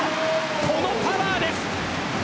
このパワーです。